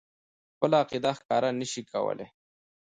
خپله عقیده ښکاره نه شي کولای.